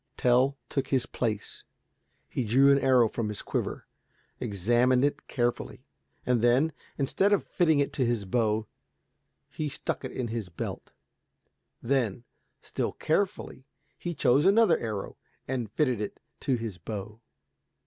Tell took his place. He drew an arrow from his quiver, examined it carefully, and then, instead of fitting it to his bow, he stuck it in his belt. Then, still carefully, he chose another arrow and fitted it to his bow.